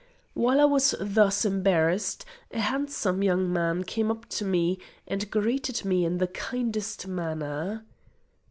While I was thus embarrassed, a handsome young man came up to me, and greeted me in the kindest manner.